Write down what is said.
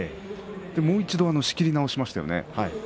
もう一度仕切り直しをしました。